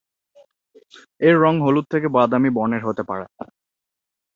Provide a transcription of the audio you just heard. এর রং হলুদ থেকে বাদামি বর্ণের হতে পারে।